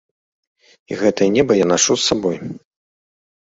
І гэтае неба я нашу з сабой.